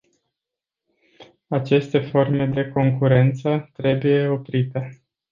Aceste forme de concurență trebuie oprite.